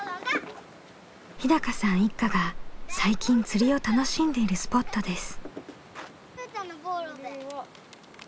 日さん一家が最近釣りを楽しんでいるスポットです。